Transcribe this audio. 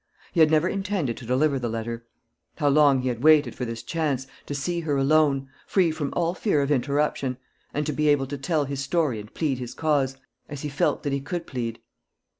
He had never intended to deliver the letter. How long he had waited for this chance to see her alone, free from all fear of interruption, and to be able to tell his story and plead his cause, as he felt that he could plead!